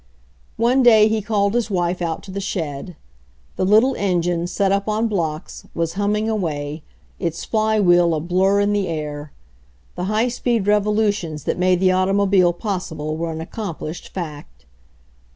One day he called his wife out to the shed. The little engine, set up on blocks, was humming^ away, its flywheel a blur in the air. The high \ speed revolutions that made the automobile pos sible were an accomplished fact.